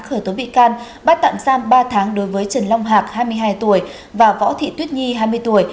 khởi tố bị can bắt tạm giam ba tháng đối với trần long hạc hai mươi hai tuổi và võ thị tuyết nhi hai mươi tuổi